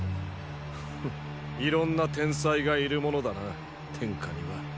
フッいろんな天才がいるものだな天下には。